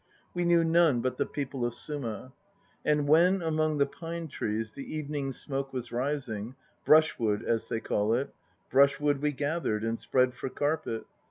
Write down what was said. We knew none but the people of Suma. And when among the pine trees The evening smoke was rising, Brushwood, as they call it, 3 Brushwood we gathered And spread for carpet.